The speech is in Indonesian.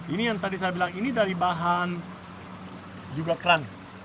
ini yang tadi saya bilang ini dari bahan jublok kran